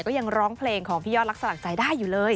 ก็ยังร้องเพลงของพี่ยอดรักสลักใจได้อยู่เลย